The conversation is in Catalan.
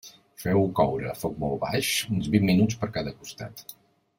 Feu-ho coure, a foc molt baix, uns vint minuts per cada costat.